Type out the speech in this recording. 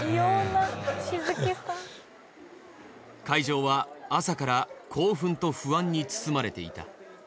会場は朝から興奮と不安に包まれていた。